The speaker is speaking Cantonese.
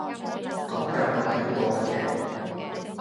講緊我睇過嘅劇